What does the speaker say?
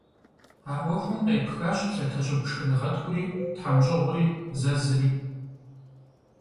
А ӏуэхум къепхащ лъатэщӏыб шхынгъэткӏури, тхьэмщӏыгъури, зэзри.